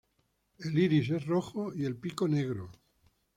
El iris es rojo y el pico negro.